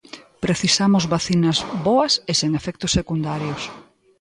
Precisamos vacinas boas e sen efectos secundarios.